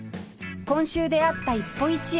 今週出会った一歩一会